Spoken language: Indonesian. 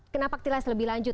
kenapa aktilas lebih lanjut